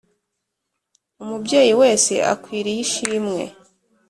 umubyeyi wese akwiriye ishimwe